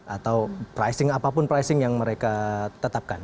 atau pricing apapun pricing yang mereka tetapkan